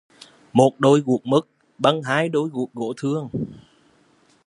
Một đôi guốc mức bằng hai đôi guốc gỗ thường